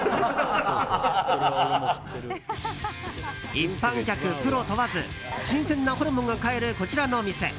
一般客、プロ問わず新鮮なホルモンが買えるこちらの店。